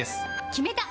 決めた！